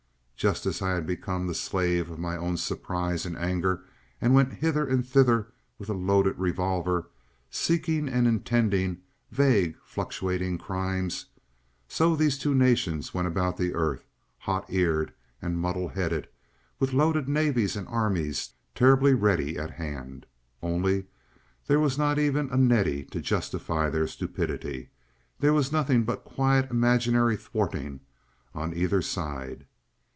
Just as I had become the slave of my own surprise and anger and went hither and thither with a loaded revolver, seeking and intending vague fluctuating crimes, so these two nations went about the earth, hot eared and muddle headed, with loaded navies and armies terribly ready at hand. Only there was not even a Nettie to justify their stupidity. There was nothing but quiet imaginary thwarting on either side.